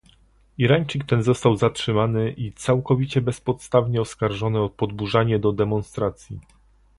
Irańczyk ten został zatrzymany i całkowicie bezpodstawnie oskarżony o podburzanie do demonstracji